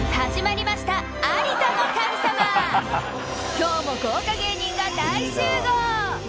今日も豪華芸人が大集合！